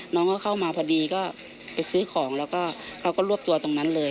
น้องก็เข้ามาพอดีก็ไปซื้อของแล้วก็เขาก็รวบตัวตรงนั้นเลย